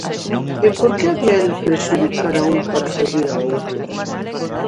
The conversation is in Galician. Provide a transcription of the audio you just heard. E por que había el prexudicar a un para servir ao outro?